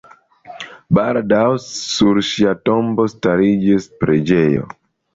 Baldaŭ sur ŝia tombo stariĝis preĝejo.